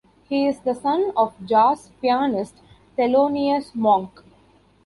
He is the son of jazz pianist Thelonious Monk.